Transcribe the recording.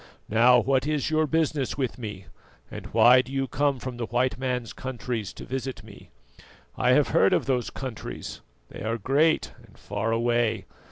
Now, what is your business with me, and why do you come from the white man's countries to visit me? I have heard of those countries, they are great and far away.